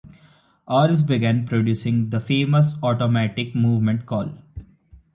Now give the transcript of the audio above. Oris began producing the famous Automatic Movement cal.